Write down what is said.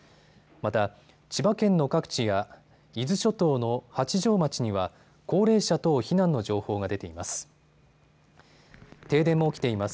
また、千葉県の各地や伊豆諸島の八丈町には高齢者等避難の情報が出ています。